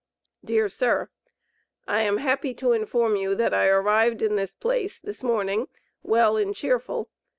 DEAR SIR: I am happy to inform you that I arrived in this place this morning well and cheerful.